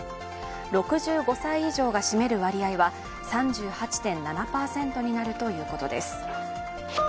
６５歳以上が占める割合は３８．７％になるということです。